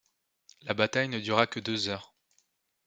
La bataille ne dura que deux heures.